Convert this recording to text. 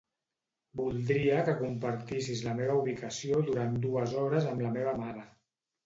Voldria que compartissis la meva ubicació durant dues hores amb la meva mare.